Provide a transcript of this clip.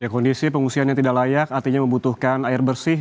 kondisi pengungsian yang tidak layak artinya membutuhkan air bersih